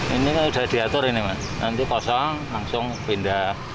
ini kan sudah diatur ini mas nanti kosong langsung pindah